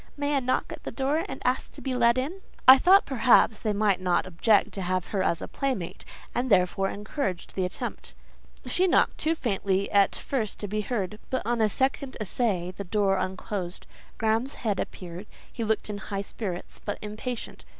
May I knock at the door, and ask to be let in?" I thought perhaps they might not object to have her as a playmate, and therefore encouraged the attempt. She knocked—too faintly at first to be heard, but on a second essay the door unclosed; Graham's head appeared; he looked in high spirits, but impatient.